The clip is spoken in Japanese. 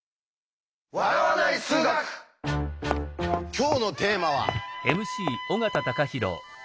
今日のテーマは。